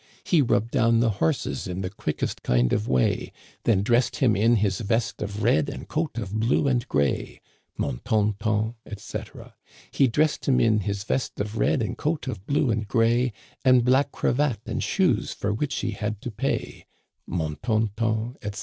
He rubbed down the horses in the quickest kind of way ; Then dressed him in his vest of red and coat of blue and gray : Mon ton ton, etc. " He dressed him in his vest of red and coat of blue and gray, And black cravat, and shoes for which he had to pay : Mon ton ton, etc.